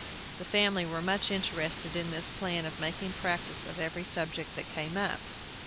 The family were much interested in this plan of making practice of every subject that came up.